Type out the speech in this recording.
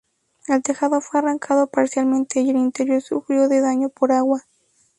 El tejado fue arrancado parcialmente y el interior sufrió de daño por agua.